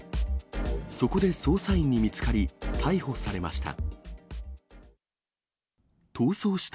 そこで捜査員に見つかり、逮捕されました。